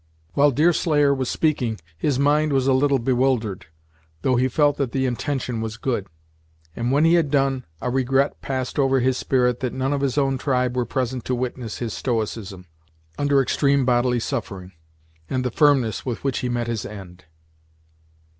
While Deerslayer was speaking, his mind was a little bewildered, though he felt that the intention was good; and when he had done, a regret passed over his spirit that none of his own tribe were present to witness his stoicism, under extreme bodily suffering, and the firmness with which he met his end.